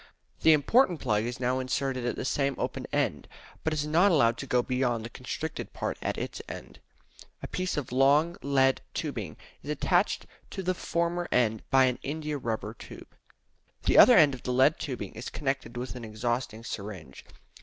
The important plug is now inserted at the same open end, but is not allowed to go beyond the constricted part at its end. A piece of long lead tubing is attached to the former end by an india rubber tube. The other end of the lead tubing is connected with an exhausting syringe.